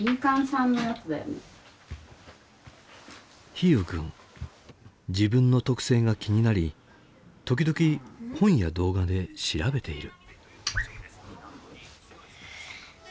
陽友君自分の特性が気になり時々本や動画で調べている。